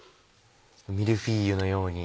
ミルフィーユのように。